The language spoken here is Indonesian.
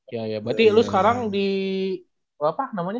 iya iya berarti lu sekarang di apa namanya